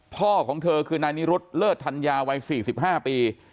พ่อของเธอคือนายนิรุธเลิศธัญญาวัย๔๕ปี